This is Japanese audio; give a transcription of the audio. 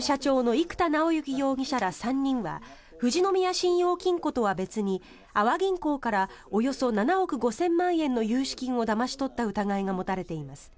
生田尚之容疑者ら３人は富士宮信用金庫とは別に阿波銀行からおよそ７億５０００万円の融資金をだまし取った疑いが持たれています。